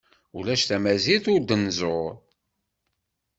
Ulac tamazirt ur d-nzuṛ.